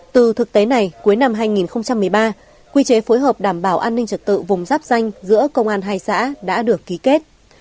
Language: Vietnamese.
từ thực tế này cuối năm hai nghìn một mươi ba quy chế phối hợp đảm bảo an ninh trật tự vùng giáp danh giữa công an hai xã đã được ký kết